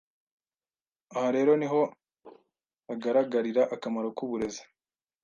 aha rero niho hagaragarira akamaro k’uburezi;